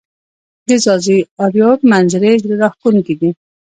د ځاځي اریوب منظزرې زړه راښکونکې دي